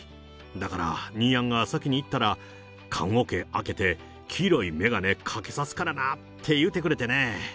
だから兄やんが先に逝ったら、棺桶開けて黄色い眼鏡かけさすからなーって言うてくれてね。